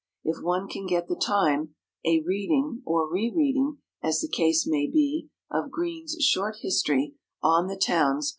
If one can get the time, a reading, or re reading, as the case may be, of Green's "Short History" on the towns, pp.